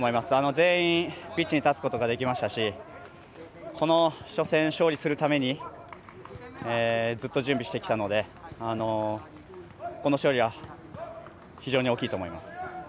全員ピッチに立てましたしこの初戦、勝利するためにずっと準備してきたのでこの勝利は非常に大きいと思います。